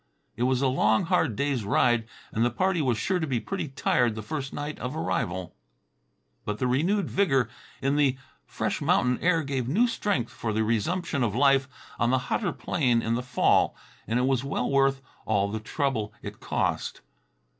It was a long, hard day's ride and the party was sure to be pretty tired the first night of arrival, but the renewed vigor in the fresh mountain air gave new strength for the resumption of life on the hotter plain in the fall and it was well worth all the trouble it cost.